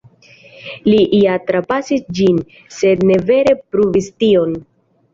Li ja trapasis ĝin, sed ne vere pruvis tion.